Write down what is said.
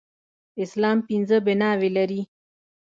اسلام پنځه بناوې لري.